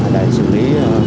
để xử lý